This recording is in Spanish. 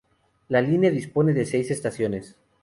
La línea dispone de seis estaciones.